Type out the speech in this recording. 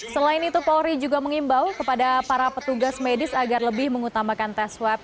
selain itu polri juga mengimbau kepada para petugas medis agar lebih mengutamakan tes swab